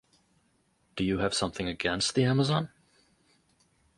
Do you have something against the Amazon?